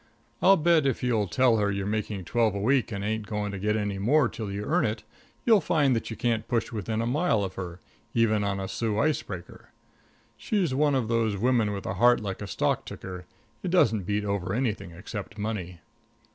I'll bet if you'll tell her you're making twelve a week and ain't going to get any more till you earn it, you'll find that you can't push within a mile of her even on a Soo ice breaker. She's one of those women with a heart like a stock ticker it doesn't beat over anything except money.